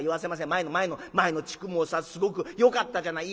前の前の前の地区もさすごくよかったじゃない。